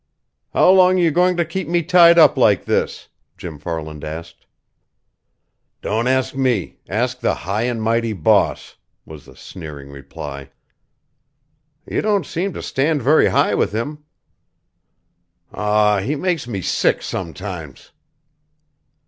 "How long are you going to keep me tied up like this?" Jim Farland asked. "Don't ask me. Ask the high and mighty boss," was the sneering reply. "You don't seem to stand very high with him." "Aw, he makes me sick sometimes."